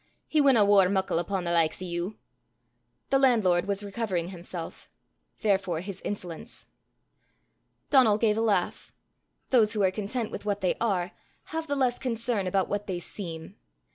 He winna waur muckle upo' the likes o' you." The landlord was recovering himself therefore his insolence. Donal gave a laugh. Those who are content with what they are, have the less concern about what they seem.